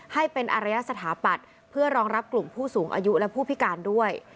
ให้เป็นอารยสถาปัตย์เพื่อรองรับกลุ่มผู้สูงอายุและผู้พิการด้วย